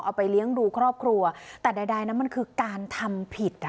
เอาไปเลี้ยงดูครอบครัวแต่ใดนั้นมันคือการทำผิดอ่ะ